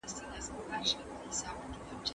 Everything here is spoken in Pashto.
پوښتنه وکړه؟!